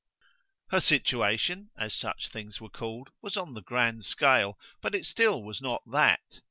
Her situation, as such things were called, was on the grand scale; but it still was not that.